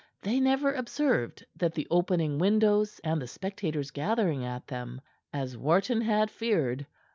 They never observed the opening windows and the spectators gathering at them as Wharton had feared.